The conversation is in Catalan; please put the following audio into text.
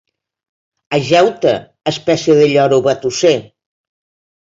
Ajau-te, espècie de lloro batusser!